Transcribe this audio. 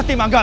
ah a caranya